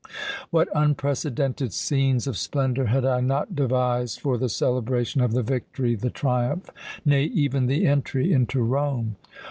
What unprecedented scenes of splendour had I not devised for the celebration of the victory, the triumph nay, even the entry into Rome!